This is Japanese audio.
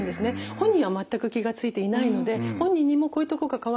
本人は全く気が付いていないので本人にも「こういうとこが変わったよ